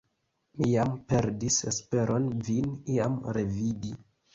Mi jam perdis esperon vin iam revidi!